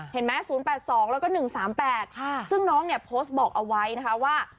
เห็นไหม๐๘๒แล้วก็๑๓๘ซึ่งน้องเนี่ยโพสต์บอกเอาไว้นะคะว่า